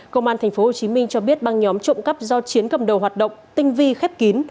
công an tp hcm cho biết băng nhóm trộm cắp do chiến cầm đầu hoạt động tinh vi khép kín